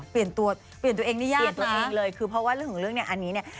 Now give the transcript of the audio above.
เปลี่ยนตัวเองในญาตินะเปลี่ยนตัวเองเลยคือเพราะว่าเรื่องเนี่ยอันนี้เนี่ย